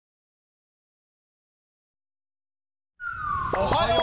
おはよう！